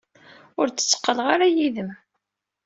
Ur d-tteqqaleɣ ara yid-m.